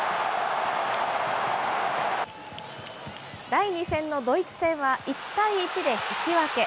第２戦のドイツ戦は１対１で引き分け。